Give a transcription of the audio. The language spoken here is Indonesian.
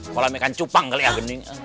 kalo mereka cupang kali ya bening